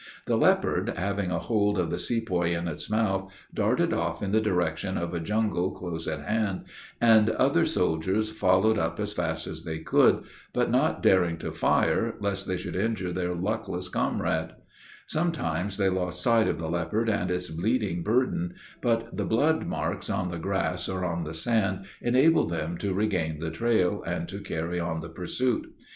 The leopard, having a hold of the sepoy in its mouth, darted off in the direction of a jungle close at hand, the other soldiers following up as fast as they could, but not daring to fire, lest they should injure their luckless comrade Sometimes they lost sight of the leopard and its bleeding burden; but the blood marks on the grass or on the sand enabled them to regain the trail, and to carry on the pursuit.